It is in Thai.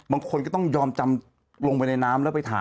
บางคนก็ต้องยอมจำลงไปในน้ำแล้วไปถาม